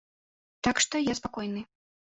Так што, я спакойны.